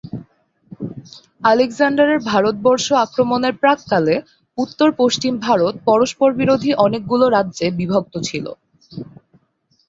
আলেকজান্ডারের ভারতবর্ষ আক্রমণের প্রাক্কালে উত্তর-পশ্চিম ভারত পরস্পরবিরোধী অনেকগুলো রাজ্যে বিভক্ত ছিল।